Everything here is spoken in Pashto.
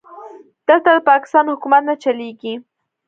دلته د پاکستان حکومت نه چلېږي.